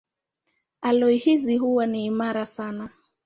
Aloi hizi huwa ni imara sana.